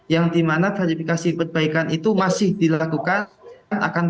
yang di mana verifikasi perbaikan itu masih dilakukan akan